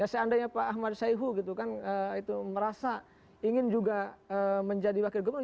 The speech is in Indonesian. seandainya pak ahmad saihu gitu kan itu merasa ingin juga menjadi wakil gubernur